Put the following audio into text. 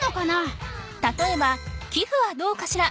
たとえばきふはどうかしら？